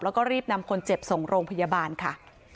แล้วก็รีบนำคนเจ็บส่งโรงพยาบาลค่ะ